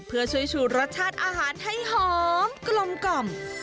เพื่อช่วยชูรสชาติอาหารให้หอมกลมกล่อม